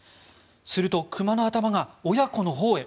すると、熊の頭が親子のほうへ。